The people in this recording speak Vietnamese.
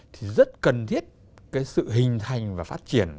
thì rất cần thiết cái sự hình thành và phát triển